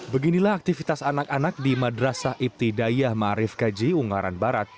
beginilah aktivitas anak anak di madrasah ibtidaya marif kaji ungaran barat